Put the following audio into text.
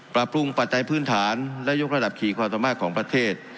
ปรับปรุงปัจจัยพื้นฐานและยกระดับขี่ความสามารถของประเทศ